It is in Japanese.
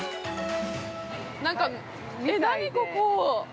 ◆なんか、ね、何ここ？